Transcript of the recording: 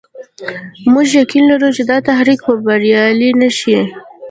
موږ يقين لرو چې دا تحریک به بریالی نه شي.